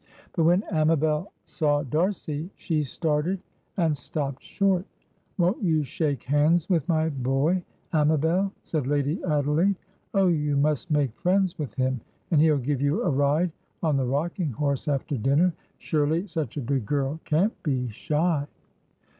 But when Amabel saw D'Arcy, she started and stopped short. "Won't you shake hands with my boy, Amabel?" said Lady Adelaide. "Oh, you must make friends with him, and he'll give you a ride on the rocking horse after dinner. Surely such a big girl can't be shy?"